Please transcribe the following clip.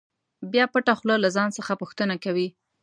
بیا پټه خوله له ځان څخه پوښتنه کوي.